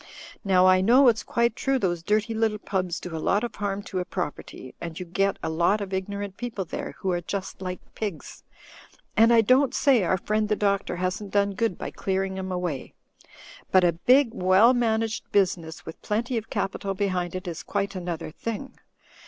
Now I know it's quite true those dirty little pubs do a lot of harm to a property, and you get a lot of ignorant people there who are just like pigs; and I don't say our friend the Doctor hasn't done good by clearing 'em away. But a big, well managed business with plenty of capital behind it is quite an other thing.